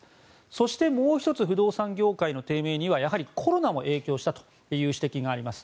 そしてもう１つ不動産業界の低迷にはやはりコロナも影響したという指摘があります。